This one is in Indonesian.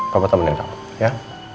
papa temenin kamu ya